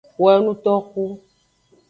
Wo enutnoxu.